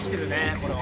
これは。